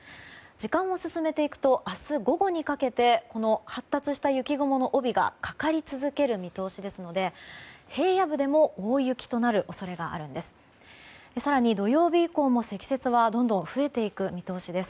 時間を進めていくと明日午後にかけてこの発達した雪雲の帯がかかり続ける見通しですので平野部でも大雪となる恐れがあるんです。